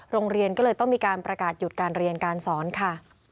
โรงเรียนก็เลยต้องมีการประกาศหยุดการเรียนการสอนค่ะ